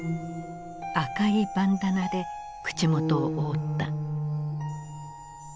赤いバンダナで口元を覆った。